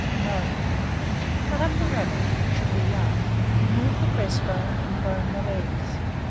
Mode. Cut up the rabbit (which should be young), remove the breastbone, and bone the legs.